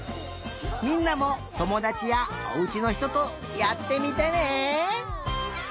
みんなもともだちやおうちのひととやってみてね！